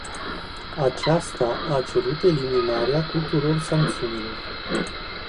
Acesta a cerut eliminarea tuturor sancțiunilor.